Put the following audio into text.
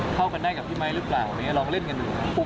เข้ากันได้กับพี่ไมค์หรือเปล่าลองเล่นกันดู